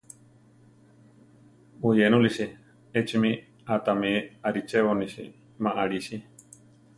Buyénulisi! Echimi a tami arichebonisi ma alisi.